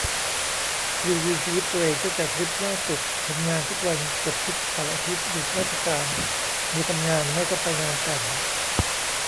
รีวิวชีวิตตัวเองตั้งแต่ทริปล่าสุด ทำงานทุกวัน เกือบทุกเสาร์อาทิตย์หยุดราชการ มีทำงานไม่ก็ไปงานแต่ง